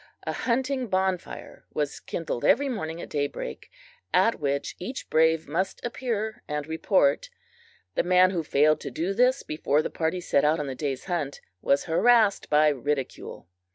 A hunting bonfire was kindled every morning at day break, at which each brave must appear and report. The man who failed to do this before the party set out on the day's hunt was harassed by ridicule.